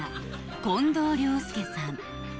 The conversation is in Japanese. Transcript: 近藤良介さん